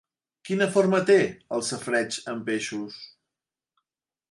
Quina forma té el safareig amb peixos?